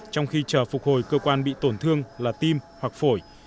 trong khi chờ phục hồi cơ quan bị tổn thương là tim hoặc phổi